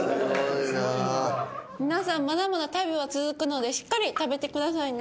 皆さんまだまだ旅は続くのでしっかり食べてくださいね。